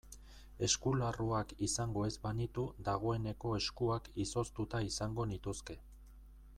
Eskularruak izango ez banitu dagoeneko eskuak izoztuta izango nituzke.